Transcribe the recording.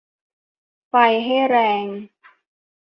ไฟให้แรง